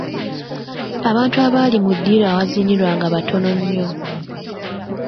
Abantu abaali mu ddiiro awazinirwa nga batono nnyo.